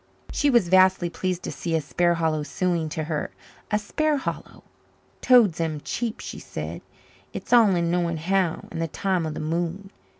She was vastly pleased to see a Sparhallow suing to her a Sparhallow! "Toads am cheap," she said. "It's all in the knowing how and the time o' the moon.